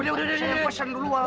udah udah udah